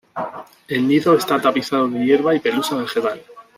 El nido está tapizado de hierba y pelusa vegetal.